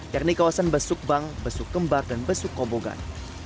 yakni kawasan besukbang besukkembar dan besukkobogan